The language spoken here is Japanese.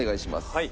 はい。